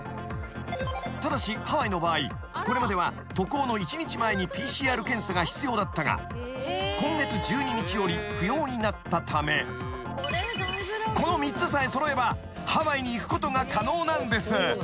［ただしハワイの場合これまでは渡航の１日前にＰＣＲ検査が必要だったが今月１２日より不要になったためこの３つさえ揃えばハワイに行くことが可能なんです］